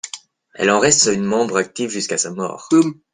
Elle en reste une membre active jusqu'à sa mort.